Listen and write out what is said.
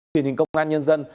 quyền hình công an nhân dân